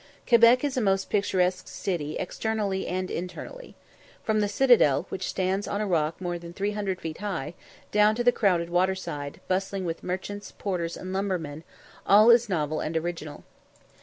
Quebec is a most picturesque city externally and internally. From the citadel, which stands on a rock more than three hundred feet high, down to the crowded water side, bustling with merchants, porters, and lumbermen, all is novel and original.